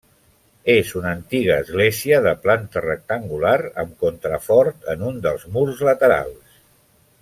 És una antiga església de planta rectangular amb contrafort en un dels murs laterals.